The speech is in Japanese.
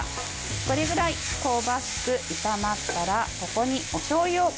これぐらい香ばしく炒まったらここに、おしょうゆを加えます。